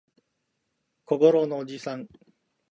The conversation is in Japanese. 小五郎のおじさん